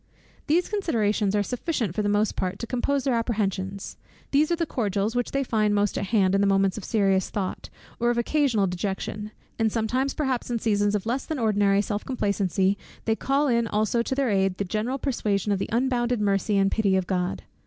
These considerations are sufficient for the most part to compose their apprehensions; these are the cordials which they find most at hand in the moments of serious thought, or of occasional dejection; and sometimes perhaps in seasons of less than ordinary self complacency, they call in also to their aid the general persuasion of the unbounded mercy and pity of God.